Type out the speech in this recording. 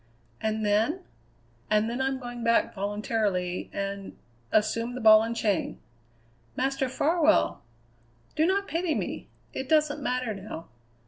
"And then?" "And then I'm going back voluntarily, and assume the ball and chain!" "Master Farwell!" "Do not pity me! It doesn't matter now.